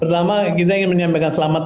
pertama kita ingin menyampaikan selamat